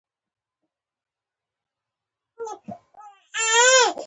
مینه په ژبه کې څرګندیږي.